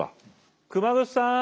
熊楠さん。